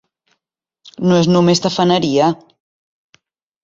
No és només tafaneria.